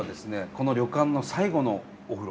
この旅館の最後のお風呂。